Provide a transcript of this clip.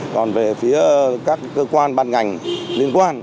còn về phía các cơ quan ban ngành liên quan